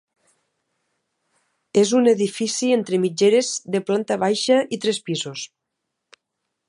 És un edifici entre mitgeres de planta baixa i tres pisos.